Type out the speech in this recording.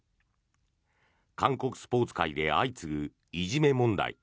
韓国スポーツ界で相次ぐいじめ問題。